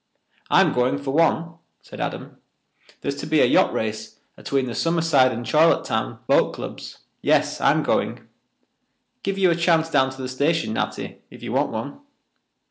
"I'm going, for one," said Adam. "There's to be a yacht race atween the Summerside and Charlottetown boat clubs. Yes, I am going. Give you a chance down to the station, Natty, if you want one."